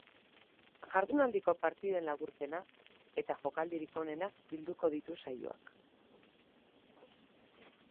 Jardunaldiko partiden laburpena, eta jokaldirik onenak bilduko ditu saioak.